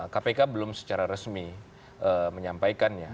kpk belum secara resmi menyampaikannya